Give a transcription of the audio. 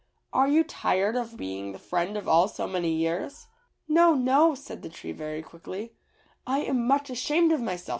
Are you tired of being the friend of all so many years?" "No, no," said the tree very quickly, "I am much ashamed of myself.